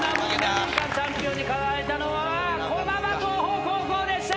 年間チャンピオンに輝いたのは駒場東邦高校でした！